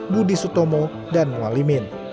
budi sutomo dan mualimin